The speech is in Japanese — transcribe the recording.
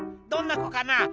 「どんな子かな？